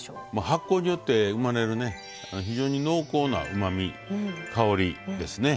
発酵によって生まれる非常に濃厚なうまみ香りですね。